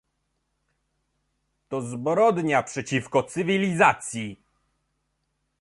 To zbrodnia przeciwko cywilizacji!